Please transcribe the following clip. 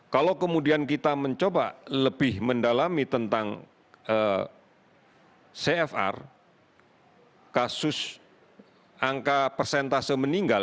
kalau kemudian kita mencoba lebih mendalami tentang cfr kasus angka persentase meninggal